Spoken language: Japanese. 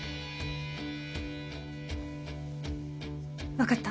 わかった。